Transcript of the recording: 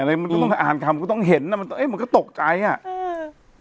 อะไรมันก็ต้องอ่านคำก็ต้องเห็นน่ะมันเอ๊ะมันก็ตกใจอ่ะอืม